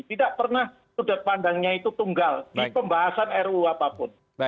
tidak pernah sudut pandangnya itu tunggal di pembahasan ru apapun